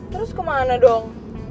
terus kemana dong